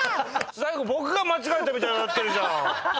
最後僕が間違えたみたいになってるじゃん。